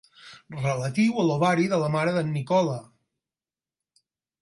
Relatiu a l'ovari de la mare d'en Nicola.